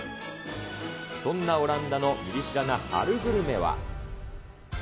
そんなオランダのミリ知らな春グルメは。